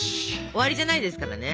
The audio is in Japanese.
終わりじゃないですからね。